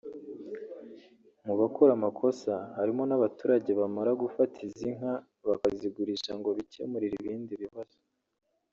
Mu bakora amakosa harimo n’abaturage bamara gufata izi nka bakazigurisha ngo bikemurire ibindi bibazo